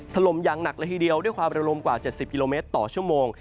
ลมอย่างหนักเลยทีเดียวด้วยความระลมกว่า๗๐กิโลเมตรต่อชั่วโมง